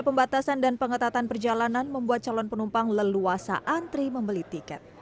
pembatasan dan pengetatan perjalanan membuat calon penumpang leluasa antri membeli tiket